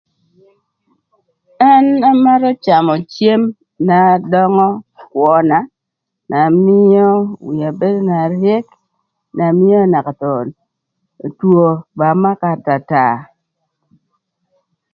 An amarö camö cem na döngö kwöna na mïö wia bedo na ryëk na mïö naka thon two ba maka atata.